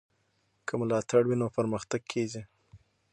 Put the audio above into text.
که ملاتړ وي نو پرمختګ کېږي.